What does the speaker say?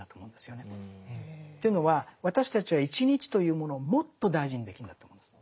というのは私たちは１日というものをもっと大事にできるんだと思うんです。